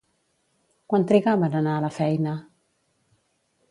Quant trigava en anar a la feina?